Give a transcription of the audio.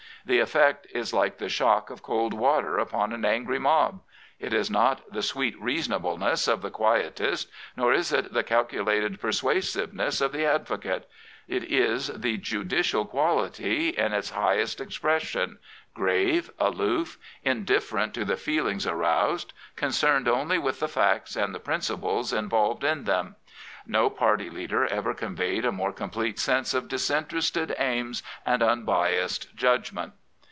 The effect is like the shock of cold water upon an angry mob. It is not the " sweet reasonableness '' of the quietist, nor is it the calculated persuasiveness of the advocate. It is the judicial quality in its highest expression, 58 The Premier grave, aloof, indifferent to the feelings aroused, con cerned only with the facts and the principles involved in them. No party leader ever conveyed a more complete sense of disinterested aims and unbiassed judgment.